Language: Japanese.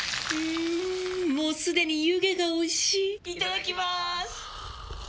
もうすでに湯気がおいしいいただきまーす！